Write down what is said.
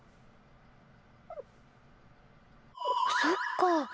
そっか。